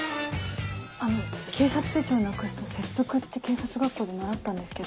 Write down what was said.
あの警察手帳なくすと切腹って警察学校で習ったんですけど。